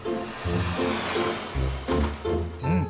うん。